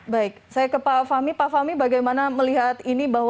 baik saya ke pak fahmi pak fahmi bagaimana melihat ini bahwa